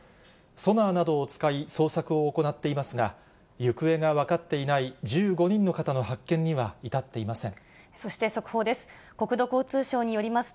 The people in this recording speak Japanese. ソナーなどを使い、捜索を行っていますが、行方が分かっていない１５人の方の発見にそして、速報です。